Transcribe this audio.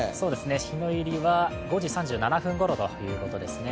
日の入りは５時３７分ごろということですね。